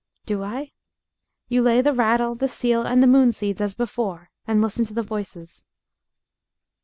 "Do I?" "You lay the rattle, the seal, and the moon seeds as before, and listen to the voices."